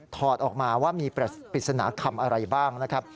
อดออกมาว่ามีปริศนาคำอะไรบ้างนะครับ